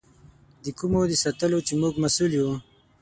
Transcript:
د کومو د ساتلو چې موږ مسؤل یو.